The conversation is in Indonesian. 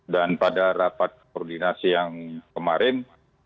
dan pada rapat koordinasi yang kemarin